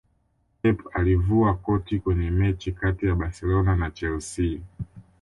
pep alivua koti Kwenye mechi kati ya barcelona na chelsea